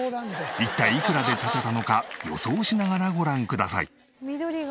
一体いくらで建てたのか予想しながらご覧ください。